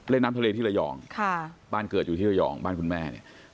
น้ำทะเลที่ระยองบ้านเกิดอยู่ที่ระยองบ้านคุณแม่เนี่ย